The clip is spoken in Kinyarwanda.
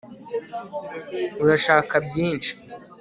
urashaka byinshi